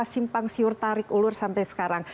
simpang siur tarik ulur sampai sekarang